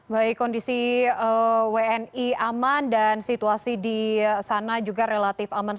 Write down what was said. baik kondisi wni aman dan situasi di sana juga relatif aman